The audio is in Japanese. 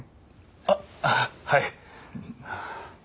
あっはい。